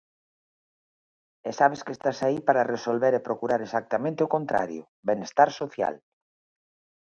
E sabes que estás aí para resolver e procurar exactamente o contrario: benestar social!